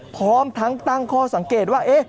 พร้อมทั้งตั้งข้อสังเกตว่า